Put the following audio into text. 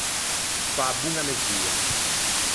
Fâ boña mesua.